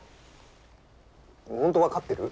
本当分かってる？